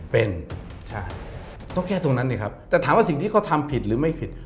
เป็นใช่ต้องแค่ตรงนั้นสิครับแต่ถามว่าสิ่งที่เขาทำผิดหรือไม่ผิด